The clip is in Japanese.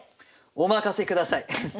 お任せください！